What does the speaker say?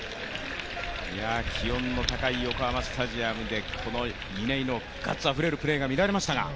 気温の高い横浜スタジアムでこの嶺井のガッツあふれるプレーが見られましたが。